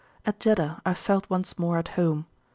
At Jeddah I felt once more at home.